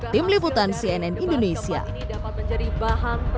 tim liputan cnn indonesia